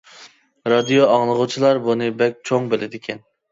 رادىيو ئاڭلىغۇچىلار بۇنى بەك چوڭ بىلىدىكەن.